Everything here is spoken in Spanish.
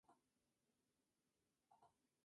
En restauraciones posteriores se le añadió una espadaña.